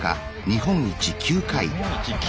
日本一９回！